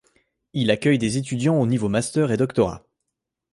Il accueille des étudiants aux niveaux master et doctorat.